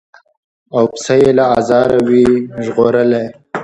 او پسه یې له آزاره وي ژغورلی